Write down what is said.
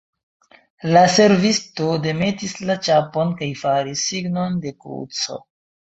La servisto demetis la ĉapon kaj faris signon de kruco.